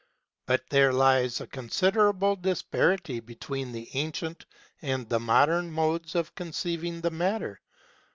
But there lies a considerable disparity between the ancient and the modern modes of conceiving the matter.